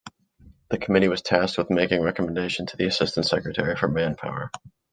The Committee was tasked with making recommendation to the Assistant Secretary for Manpower.